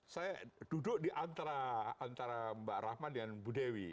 saya duduk di antara mbak rahma dengan bu dewi